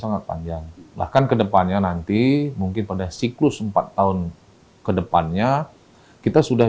sangat panjang bahkan kedepannya nanti mungkin pada siklus empat tahun kedepannya kita sudah